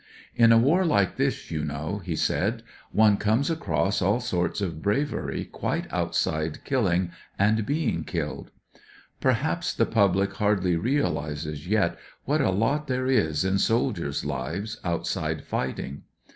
"In a war like this, you know," he said, "one comes across all sorts of bravery quite outside kiUing and being ..led. Perhaps the pubhc hardly reaUses yet what a lot there is in soldiers' Uves, outside fighting.